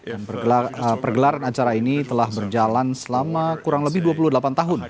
dan pergelaran acara ini telah berjalan selama kurang lebih dua puluh delapan tahun